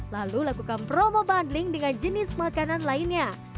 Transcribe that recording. lalu lakukan promo bundling dengan jenis makanan lainnya